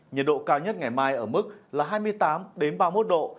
nhiệt độ cao nhất ngày mai ở mức là hai mươi tám ba mươi một độ